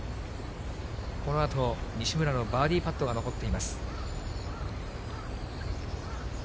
このあと西村のバーディーパットが残っています。